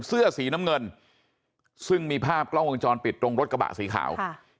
เสื้อสีน้ำเงินซึ่งมีภาพกล้องวงจรปิดตรงรถกระบะสีขาว